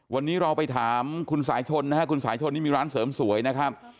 วันนี้เราไปถามคุณสายชนนะฮะคุณสายชนนี่มีร้านเสริมสวยนะครับ